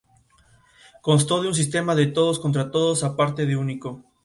Constó de un sistema de todos contra todos a partido único.